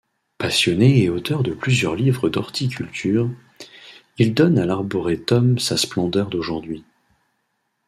Passionné et auteur de plusieurs livres d’horticulture, il donne à l’arboretum sa splendeur d'aujourd'hui.